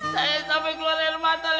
saya sampai keluar air mata